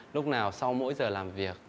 lúc nào sau mỗi giờ làm việc